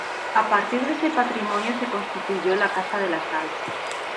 A partir de ese patrimonio se constituyó La Casa de la Sal.